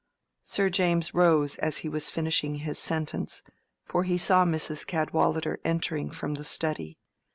Sir James rose as he was finishing his sentence, for he saw Mrs. Cadwallader entering from the study.